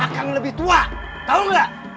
akang lebih tua tahu gak